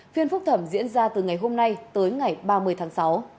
phiên phúc thẩm diễn ra từ ngày hôm nay tới ngày ba mươi tháng sáu